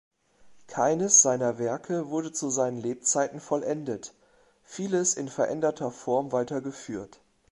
Keines seiner Werke wurde zu seinen Lebzeiten vollendet, vieles in veränderter Form weitergeführt.